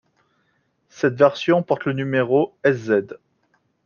Cette version porte le numéro Sz.